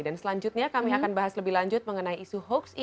dan selanjutnya kami akan bahas lebih lanjut mengenai isu hoax